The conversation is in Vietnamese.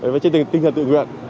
với tinh thần tự nguyện